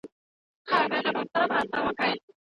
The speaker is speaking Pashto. چی بهرنیانو د حقوقی وضیعت په نامه تر بحث لاندی نیول کیدی